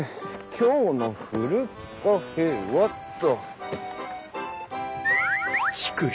今日のふるカフェはっと。